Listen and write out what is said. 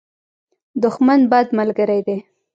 دښمن، بد ملګری دی.